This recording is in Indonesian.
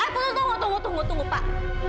tunggu tunggu tunggu pak